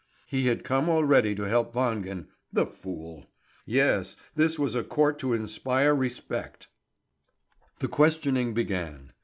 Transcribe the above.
He had come already to help Wangen, the fool! Yes, this was a court to inspire respect! The questioning began.